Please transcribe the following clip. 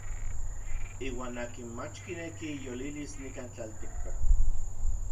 Iuan akin mach kineki iyolilis nikan tlaltikpak.